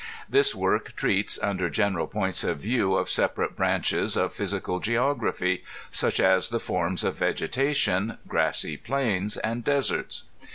This work treats, under general points of view, of separate branches of physical geography (such as the forms of vegetation, grassy plains, and deserts).